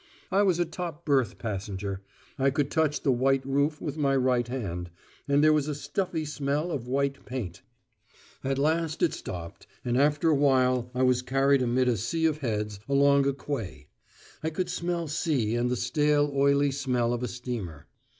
I was a top berth passenger; I could touch the white roof with my right hand; and there was a stuffy smell of white paint. At last it stopped, and after a wait I was carried amid a sea of heads, along a quay. I could smell sea and the stale oily smell of a steamer.